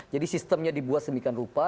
jadi sistemnya dibuat semikian rupa